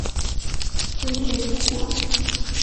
维雷库尔。